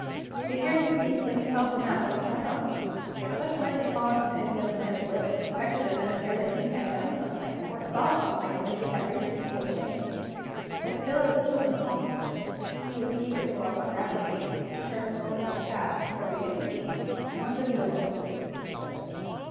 To hear him speak of himself in that way jarred on me. If such words had fallen from any other man's lips, I should have been afraid that he had done something, or thought something, of which he had reason to feel ashamed. With Philip this was impossible. He was eager to walk on rapidly, and to turn a corner in the path, before we could be seen. "I want to be alone with you," he said.